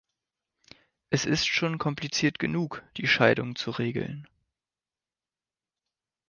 Es ist schon kompliziert genug, die Scheidung zu regeln.